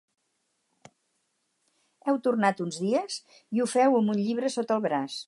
Heu tornat uns dies i ho feu amb un llibre sota el braç.